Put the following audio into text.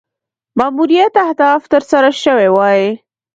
ماموریت اهداف تر سره سوي وای.